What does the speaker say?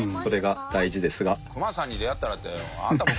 クマさんに出会ったらって。